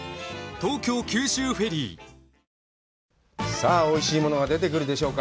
さあ、おいしいものが出てくるでしょうか。